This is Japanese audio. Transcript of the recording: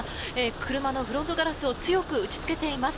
車のフロントガラスを強く打ちつけています。